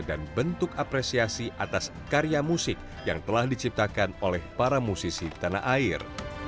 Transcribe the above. dan bentuk apresiasi atas karya musik yang telah diciptakan oleh para musisi tanah air